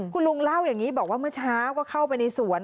คุณลุงเล่าอย่างนี้บอกว่าเมื่อเช้าก็เข้าไปในสวน